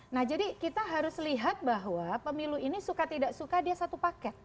nah jadi kita harus lihat bahwa pemilu ini suka tidak suka dia satu paket